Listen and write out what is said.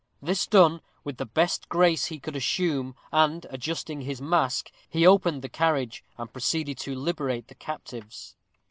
This done, with the best grace he could assume, and, adjusting his mask, he opened the carriage, and proceeded to liberate the captives.